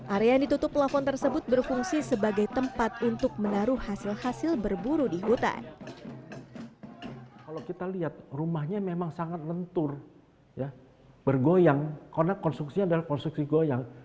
area yang ditutup pelafon tersebut berfungsi sebagai tempat untuk menjaga kemampuan